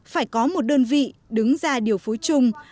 phải có một đơn vị đứng ra điều phối chung